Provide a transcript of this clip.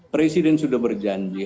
presiden sudah berjanji